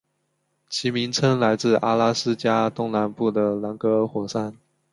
其名称来自阿拉斯加东南部的兰格尔火山。